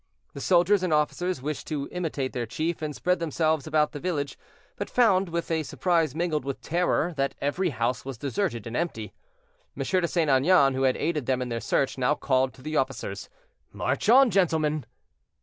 The soldiers and officers wished to imitate their chief, and spread themselves about the village, but found with a surprise mingled with terror that every house was deserted and empty. M. de St. Aignan, who had aided them in their search, now called to the officers: "March on, gentlemen."